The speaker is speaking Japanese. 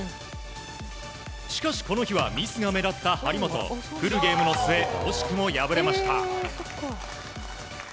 しかし、この日はミスが目立った張本フルゲームの末惜しくも敗れました。